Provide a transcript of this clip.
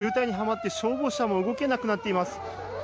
渋滞にはまって消防車も動けなくなっています。